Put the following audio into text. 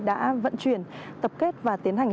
đã vận chuyển tập kết và tiến hành